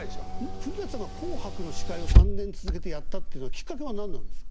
古さんが「紅白」の司会を３年続けてやったっていうのはきっかけは何なんですか？